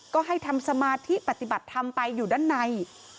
ก็ให้ทำสมาธิปฏิบัติธรรมไปอยู่ด้านใน